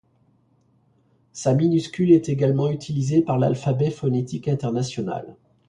Sa minuscule est également utilisée par l'alphabet phonétique international.